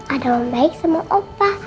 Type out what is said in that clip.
ada yang baik sama opa